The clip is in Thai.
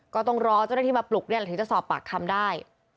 ก็ต้องรอเจ้าหน้าที่มาปลุกนี่แหละถึงจะสอบปากคำได้